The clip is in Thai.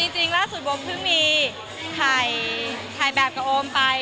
จริงล่าสุดโอมเพิ่งมีถ่ายแบบกับโอมไป